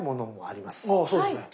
あそうですね。